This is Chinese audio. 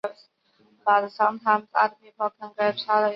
在小吃烹调方式上更是煎炒烹炸烤涮烙样样齐全。